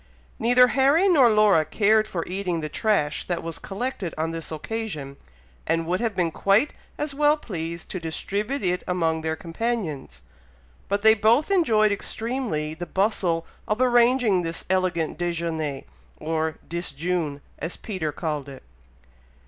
Neither Harry nor Laura cared for eating the trash that was collected on this occasion, and would have been quite as well pleased to distribute it among their companions; but they both enjoyed extremely the bustle of arranging this elegant déjeuné or "disjune," as Peter called it.